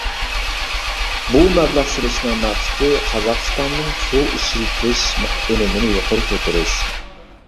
بۇ مەبلەغ سېلىشنىڭ مەقسىتى قازاقىستاننىڭ سۇ ئىشلىتىش ئۈنۈمىنى يۇقىرى كۆتۈرۈش.